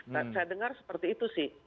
dan saya dengar seperti itu sih